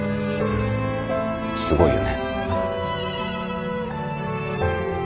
すごいよね。